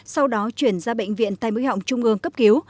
sau đó chuyển ra bệnh viện tây mũi họng trung ương cấp cứu